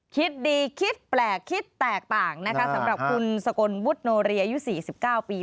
คิดดีคิดแปลกคิดแตกต่างนะคะสำหรับคุณสกลวุฒโนเรียอายุ๔๙ปี